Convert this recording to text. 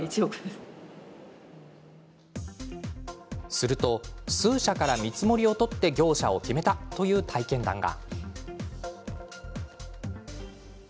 すると数社から見積もりを取って業者を決めたという体験談が。